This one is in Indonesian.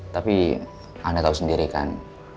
tapi anda tahu sendiri kan